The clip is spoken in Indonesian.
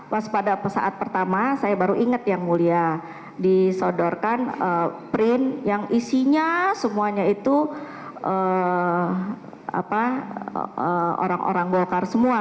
pas pada saat pertama saya baru ingat yang mulia disodorkan print yang isinya semuanya itu orang orang golkar semua